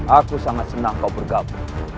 aku sangat senang kau bergabung